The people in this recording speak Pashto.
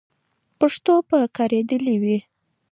پښتو به کارېدلې وي.